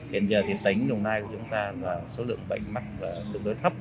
hiện giờ thì tính lùng nai của chúng ta là số lượng bệnh mắc tương đối thấp